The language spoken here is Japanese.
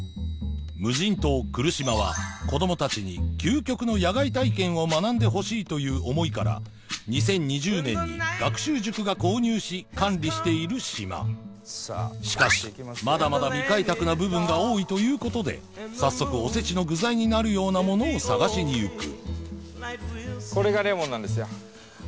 無人島来島は子どもたちに究極の野外体験を学んでほしいという思いから２０２０年に学習塾が購入し管理している島しかしまだまだ未開拓な部分が多いということで早速おせちの具材になるようなものを探しにいくこれが？